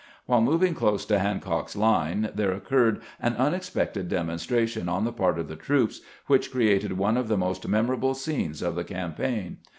While moving close to Hancock's line, there occurred an unexpected demonstration on the part of the troops, which created one of the most memorable scenes of the campaign.